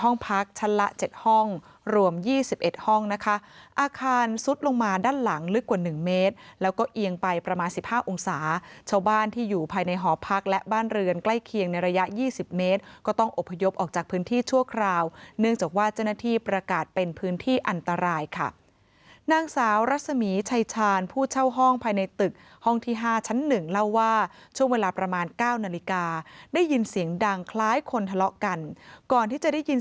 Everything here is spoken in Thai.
๕องศาชาวบ้านที่อยู่ภายในหอพักและบ้านเรือนใกล้เคียงในระยะ๒๐เมตรก็ต้องอบพยพออกจากพื้นที่ชั่วคราวเนื่องจากว่าเจ้าหน้าที่ประกาศเป็นพื้นที่อันตรายค่ะนางสาวรัสมีชัยชาญผู้เช่าห้องภายในตึกห้องที่๕ชั้น๑เล่าว่าช่วงเวลาประมาณ๙นาฬิกาได้ยินเสียงดังคล้ายคนทะเลาะกันก่อนท